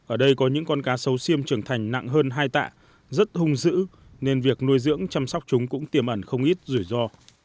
ở đây có những con cá sấu siêm trưởng thành nặng hơn hai tạ rất hung dữ nên việc nuôi dưỡng chăm sóc chúng cũng tiềm ẩn không ít rủi ro